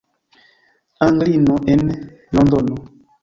Anglino el Londono!